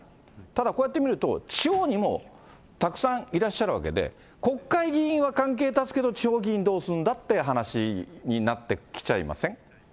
ただこうやって見ると、地方にもたくさんいらっしゃるわけで、国会議員は関係断つけど、地方議員どうするんだっていう話になってきちゃいません？